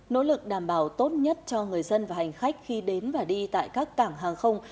nỗ lực đảm bảo tốt nhất cho người dân và hành khách khi đến và đi tại các cảng hàng không